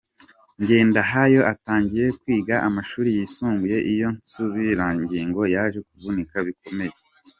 Ngendahayo atangiye kwiga amashuri yisumbuye iyo nsimburangingo yaje kuvunika bikomeye.